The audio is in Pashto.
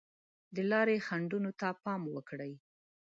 د لارې خنډونو ته پام وکړئ.